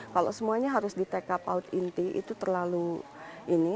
kalau semuanya harus di tk paud inti itu terlalu ini